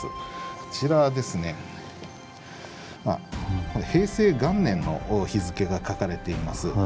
こちらですね平成元年の日付が書かれています。